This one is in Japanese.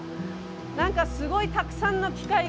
何かすごいたくさんの機械が。